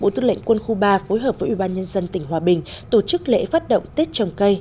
bộ tư lệnh quân khu ba phối hợp với ubnd tỉnh hòa bình tổ chức lễ phát động tết trồng cây